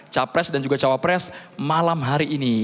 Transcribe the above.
capres dan juga cawapres malam hari ini